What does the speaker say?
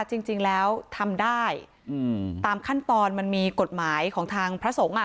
จริงแล้วทำได้อืมตามขั้นตอนมันมีกฎหมายของทางพระสงฆ์อ่ะ